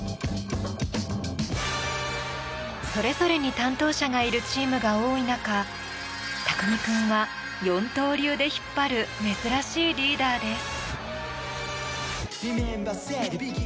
それぞれに担当者がいるチームが多い中ＴＡＫＵＭＩ君は４刀流で引っ張る珍しいリーダーです。